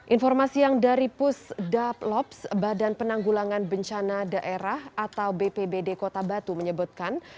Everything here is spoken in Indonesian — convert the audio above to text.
informasi yang dari pusdaplops badan penanggulangan bencana daerah atau bpbd kota batu menyebutkan